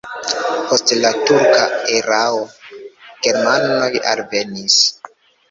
Post la turka erao germanoj alvenis.